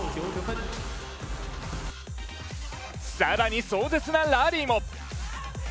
更に、壮絶なラリーも。